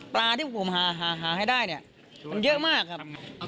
ปลาที่ผมหาให้ได้เนี่ยมันเยอะมากครับ